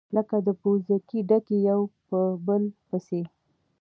لكه د پوزکي ډَکي يو په بل پسي،